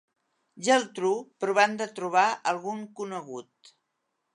Geltrú, provant de trobar algun conegut.